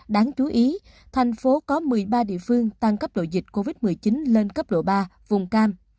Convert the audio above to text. đáng chú ý thành phố có một mươi ba địa phương tăng cấp độ dịch covid một mươi chín lên cấp độ ba vùng cam